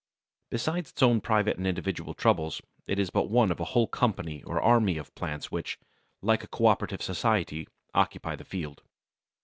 Besides its own private and individual troubles, it is but one of a whole company or army of plants which, like a cooperative society, occupy the field.